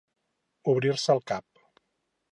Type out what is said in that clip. Obrir-se el cap.